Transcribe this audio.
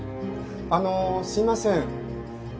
あのすいません。